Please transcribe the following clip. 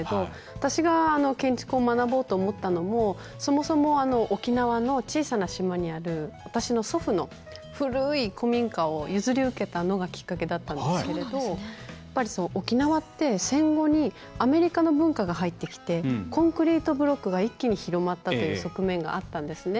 私が建築を学ぼうと思ったのもそもそも沖縄の小さな島にある私の祖父の古い古民家を譲り受けたのがきっかけだったんですけれどやっぱり沖縄って戦後にアメリカの文化が入ってきてコンクリートブロックが一気に広まったという側面があったんですね。